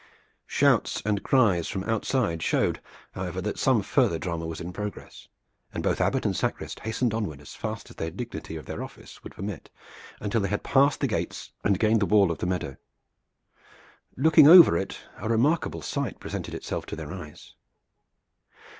Shouts and cries from outside showed, however, that some further drama was in progress, and both Abbot and sacrist hastened onward as fast as the dignity of their office would permit, until they had passed the gates and gained the wall of the meadow. Looking over it, a remarkable sight presented itself to their eyes.